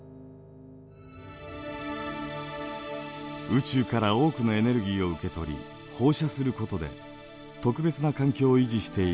宇宙から多くのエネルギーを受け取り放射することで特別な環境を維持している地球。